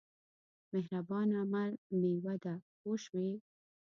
مهربان عمل مېوه ده پوه شوې!.